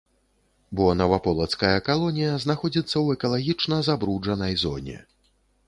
Бо наваполацкая калонія знаходзіцца ў экалагічна забруджанай зоне.